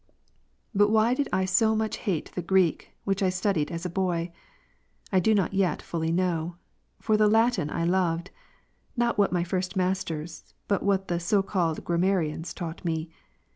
But why did I so much hate the Greek, which ■ P ^•_ I studied as a boy ? I do not yet fully know. For the Latin I loved ; not what my first masters, but what the so called grammarians taught me.